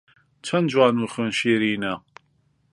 چەن جوان و خوێن شیرینە